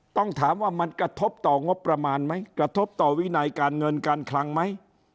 ต้องถามว่ามันกระทบต่องบประมาณไหมกระทบต่อวินัยการเงินการคลังไหม